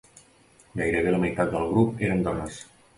Gairebé la meitat del grup eren dones.